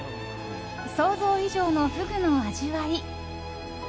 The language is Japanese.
想像以上のフグの味わい。